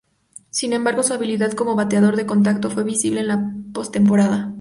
Sin embargo, su habilidad como bateador de contacto fue visible en la postemporada.